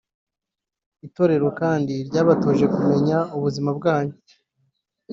Itorero kandi ryabatoje kumenya ubuzima bwanyu